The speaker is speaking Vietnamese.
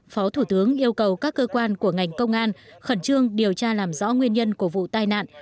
phó thủ tướng yêu cầu các cơ quan của ngành công an khẩn trương điều tra làm rõ nguyên nhân của vụ tai nạn